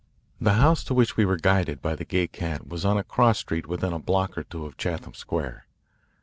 The house to which we were guided by the Gay Cat was on a cross street within a block or two of Chatham Square.